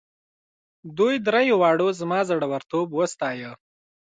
دوی دریو واړو زما زړه ورتوب وستایه.